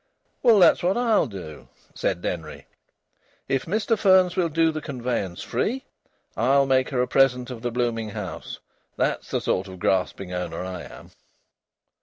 "Well, that's what I'll do," said Denry. "If Mr Fearns will do the conveyance free, I'll make her a present of the blooming house. That's the sort of grasping owner I am."